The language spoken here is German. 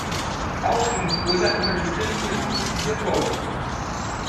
Auch gegen die Ursachen von Diskriminierung müssen wir vorgehen.